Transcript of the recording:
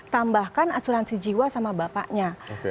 tambahkan asuransi jiwa sama bapaknya